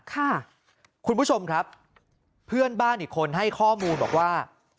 คุณผู้ชมครับเพื่อนบ้านอีกคนให้ข้อมูลบอกว่า